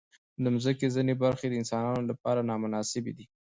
د مځکې ځینې برخې د انسانانو لپاره نامناسبې دي.